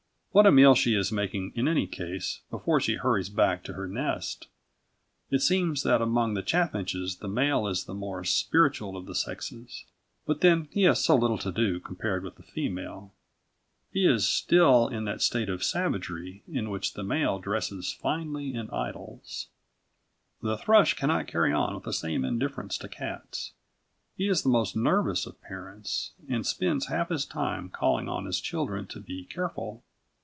What a meal she is making in any case before she hurries back to her nest! It seems that among the chaffinches the male is the more spiritual of the sexes. But then he has so little to do compared with the female. He is still in that state of savagery in which the male dresses finely and idles. The thrush cannot carry on with the same indifference to cats. He is the most nervous of parents, and spends half his time calling on his children to be careful.